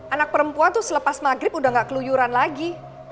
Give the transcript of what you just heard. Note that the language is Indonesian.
anak perempuan tuh selepas maghrib udah gak keluyuran lagi